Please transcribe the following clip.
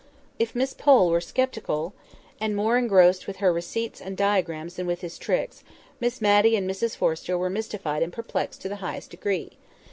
If Miss Pole were sceptical, and more engrossed with her receipts and diagrams than with his tricks, Miss Matty and Mrs Forrester were mystified and perplexed to the highest degree.